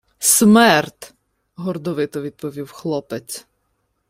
— Смерд! — гордовито відповів хлопець.